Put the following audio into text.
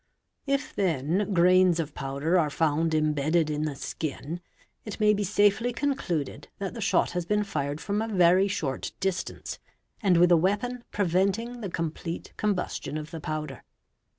| If then grains of powder are found imbedded in the skin, it may be safely concluded that the shot has been fired from a very short distance 7 and with a weapon preventing the complete combustion of the powder.